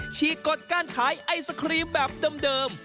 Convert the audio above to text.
ีกกฎการขายไอศครีมแบบเดิม